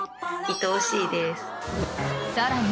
［さらに］